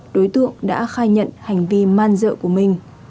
đối tượng đã khai nhận hành vi man dợ của mình